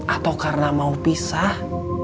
atau karena mau pisah